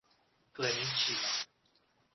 Clementina